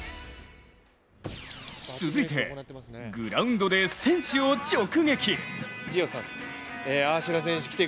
続いて、グラウンドで選手を直撃。